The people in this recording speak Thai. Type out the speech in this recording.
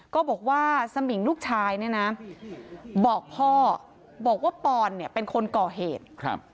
ก็บอกว่าสมิงลูกชายเนี่ยนะบอกพ่อบอกว่าปอนเนี่ยเป็นคนก่อเหตุ